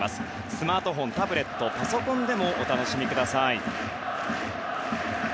スマートフォン、タブレットパソコンでもお楽しみください。